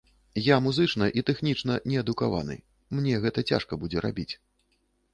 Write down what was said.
Я музычна і тэхнічна неадукаваны, мне гэта цяжка будзе рабіць.